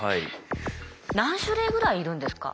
何種類ぐらいいるんですか？